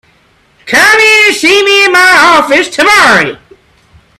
Come in and see me in my office tomorrow.